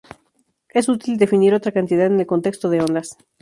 Es útil definir otra cantidad en el contexto de ondas.